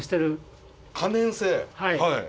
はい。